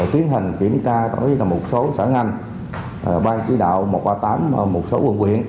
tiến hành kiểm tra một số xã ngành ban chỉ đạo một trăm ba mươi tám một số quận quyền